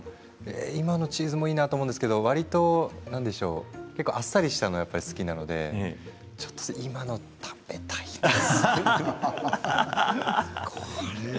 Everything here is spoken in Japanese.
今のチーズもいいなと思うんですけれどもわりとあっさりとしたのが好きなのでちょっと今の食べたいな。